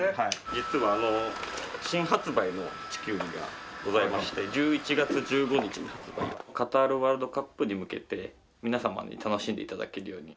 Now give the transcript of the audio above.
実はあの新発売の地球儀がございまして１１月１５日に発売のカタールワールドカップに向けて皆さまに楽しんで頂けるように。